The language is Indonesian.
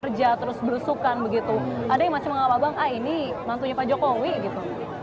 terus berusukan begitu ada yang masih mengapa bang